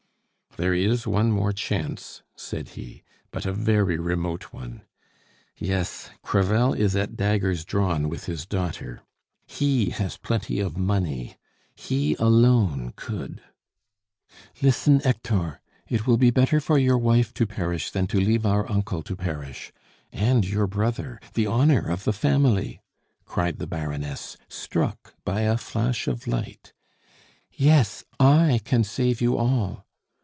"There is one more chance," said he, "but a very remote one. Yes, Crevel is at daggers drawn with his daughter. He has plenty of money, he alone could " "Listen, Hector it will be better for your wife to perish than to leave our uncle to perish and your brother the honor of the family!" cried the Baroness, struck by a flash of light. "Yes, I can save you all.